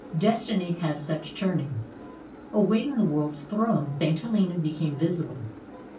Destiny has such turnings. Awaiting the world's throne, St. Helena became visible.